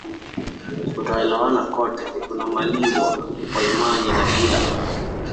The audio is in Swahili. kutokuelewana kote kunamalizwa kwa amani na bila